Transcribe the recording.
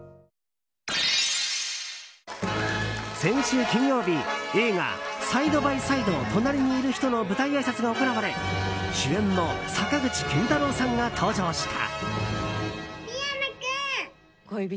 先週金曜日映画「サイドバイサイド隣にいる人」の舞台あいさつが行われ主演の坂口健太郎さんが登場した。